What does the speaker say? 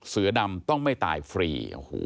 เสือดำต้องไม่ตายฟรี